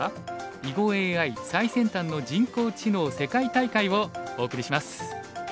囲碁ＡＩ最先端の人工知能世界大会」をお送りします。